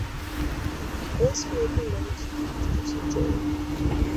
Also making many tunes with Juicy J.